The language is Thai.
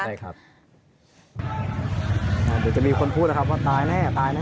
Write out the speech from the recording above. เดี๋ยวจะมีคนพูดว่าตายแน่